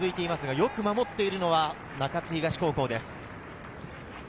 よく守っているのは中津東高校です。